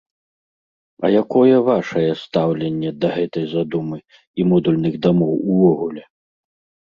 А якое вашае стаўленне да гэтай задумы і модульных дамоў увогуле?